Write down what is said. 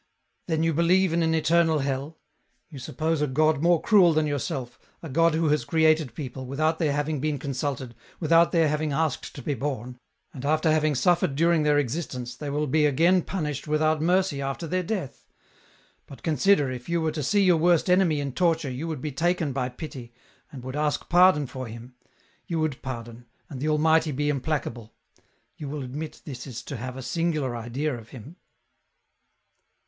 " Then you believe in an eternal hell ? ^ou suppose a God more cruel than yourself, a God who has created people, without their having been consulted, without their having asked to be born ; and after having suffered during their existence, they will be again punished without mercy after their death ; but consider, if you were to see your worst enemy in torture, you would be taken by pity, and would ask pardon for him. You would pardon, and the Almighty be implacable ; you will admit this is to have a singular idea of Him."